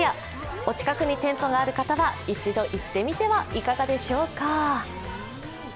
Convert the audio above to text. お近くに店舗がある方は一度行ってみてはいかがでしょうか。